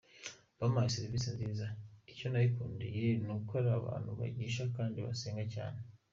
Bampaye serivisi nziza, icyo narikundiye ni uko ari abantu bigisha kandi basenga cyane.